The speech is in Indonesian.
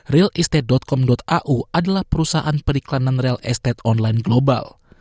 realiste com au adalah perusahaan periklanan real estate online global